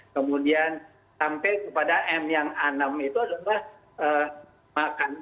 kemudian sampai kepada m yang a enam itu adalah makan